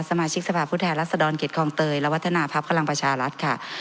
สมาชิกสภาพผู้แทนรัศดรเขตคลองเตยและวัฒนาพักพลังประชารัฐค่ะ